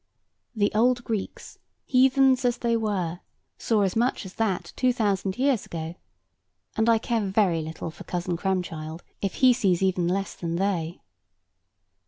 The old Greeks, heathens as they were, saw as much as that two thousand years ago; and I care very little for Cousin Cramchild, if he sees even less than they.